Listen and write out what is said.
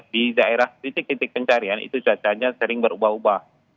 di daerah titik titik pencarian itu cuacanya sering berubah ubah